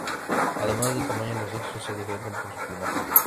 Además del tamaño los sexos se diferencian por su plumaje.